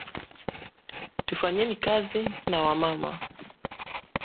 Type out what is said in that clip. Tufanyeni Kazi na wa mama